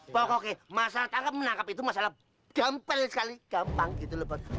bos pokoknya masalah tangkap menangkap itu masalah gampang sekali gampang gitu lewat